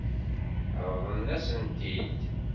Ṛeḍlen-as-tent-id?